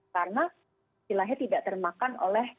karena silahnya tidak termakan oleh